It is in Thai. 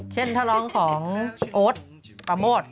เช่นถ้าร้องของโอ๊ตปาโมท